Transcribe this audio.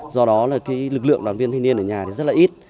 do đó lực lượng đoàn viên thanh niên ở nhà rất ít